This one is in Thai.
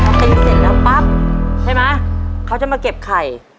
พอตีเสร็จแล้วปั๊บใช่ไหมเขาจะมาเก็บไข่